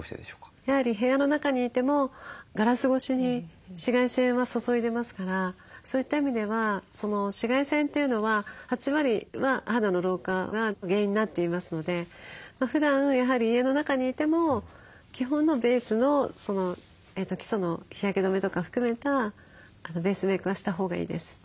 やはり部屋の中にいてもガラス越しに紫外線は注いでますからそういった意味では紫外線というのは８割は肌の老化原因になっていますのでふだんやはり家の中にいても基本のベースの基礎の日焼け止めとか含めたベースメークはしたほうがいいです。